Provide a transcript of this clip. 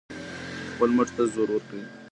خپل مټ ته زور ورکړئ.